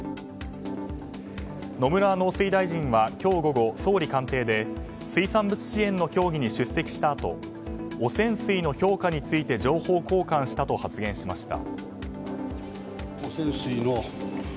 野村農水大臣は今日午後総理官邸で水産物支援の協議に出席したあと汚染水の評価について情報交換したと発言しました。